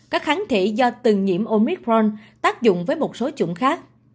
các kháng thị do từng nhiễm omicron tác dụng với một số chủng khác